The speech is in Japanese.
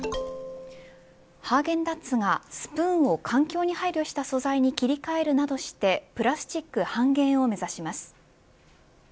ハーゲンダッツがスプーンを環境に配慮した素材に切り替えるなどしてプラスチック半減を目指します。